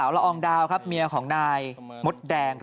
ฝรั่งลูกเลี้ยงฝรั่ง